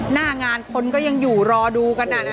หน้างานคนก็ยังอยู่รอดูกัน